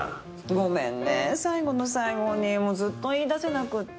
ごめんね最後の最後にずっと言い出せなくって。